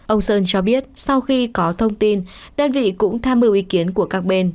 ông sơn cho biết sau khi có thông tin đơn vị cũng tham mưu ý kiến của các bên